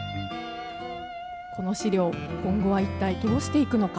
この資料、今後は一体どうしていくのか。